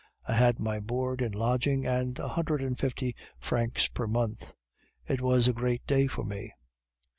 I had my board and lodging and a hundred and fifty francs per month. It was a great day for me!